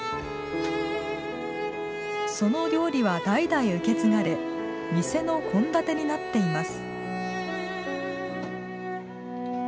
その料理は代々受け継がれ店の献立になっています。